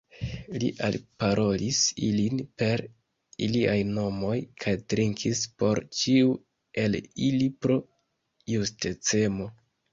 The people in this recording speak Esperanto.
Li alparolis ilin per iliaj nomoj, kaj trinkis por ĉiu el ili, pro justecemo.